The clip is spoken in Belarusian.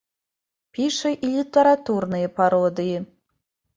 Піша і літаратурныя пародыі.